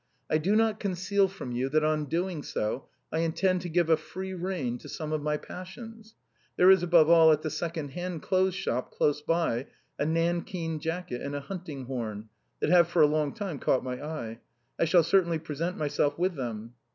" I do not conceal from you that on doing so I intend to give a free rein to some of my passions. There is, above all, at the second hand clothes shop close by a THE TOILETTE OF THE GRACES. 207 nankeen jacket and a hunting born, that have for a long time caught my eye. I shall certainly present myself with them."